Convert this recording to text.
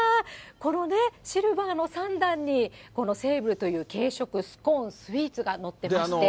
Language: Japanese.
このね、シルバーの３段にセーブルという軽食、スコーン、スイーツが載ってまして。